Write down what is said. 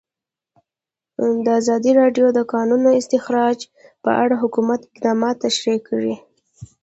ازادي راډیو د د کانونو استخراج په اړه د حکومت اقدامات تشریح کړي.